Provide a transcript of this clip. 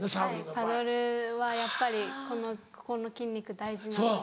パドルはやっぱりここの筋肉大事なので。